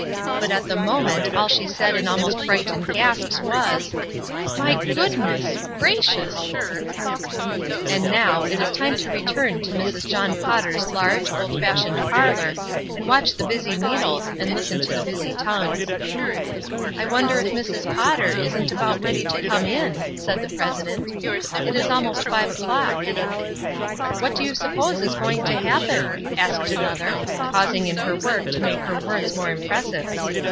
But at the moment all she said in almost frightened gasps was — "SOMETHING PORTENTOUS" 421 "My goodness — gracious !" And now it is time to retiirn to Mrs. John Potter's large, old fashioned parlor and watch the busy needles and listen to the busy tongues. "I wonder if Mrs. Potter isn't about ready to come in?" said the president; "it is almost five o'clock." "What do you suppose is going to happen?" asked another, pausing in her work to make her words more impressive.